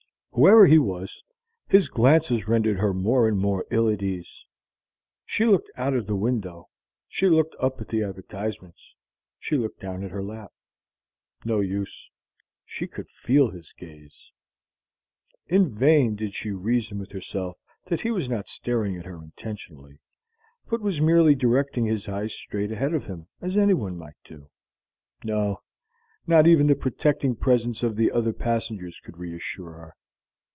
Whoever he was, his glances rendered her more and more ill at ease. She looked out of the window, she looked up at the advertisements, she looked down at her lap. No use: she could feel his gaze. In vain did she reason with herself that he was not staring at her intentionally, but was merely directing his eyes straight ahead of him, as anyone might do. No; not even the protecting presence of the other passengers could reassure her.